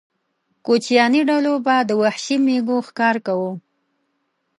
کوچیاني ډلو به د وحشي مېږو ښکار کاوه.